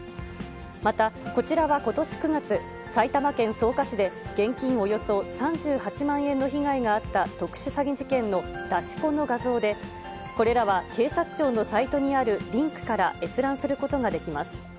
また、こちらはことし９月、埼玉県草加市で、現金およそ３８万円の被害があった特殊詐欺事件の出し子の画像で、これらは警察庁のサイトにあるリンクから閲覧することができます。